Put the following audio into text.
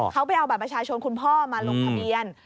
เขาไปเอาบัตรประชาชนคุณพ่อมาลงทะเบียน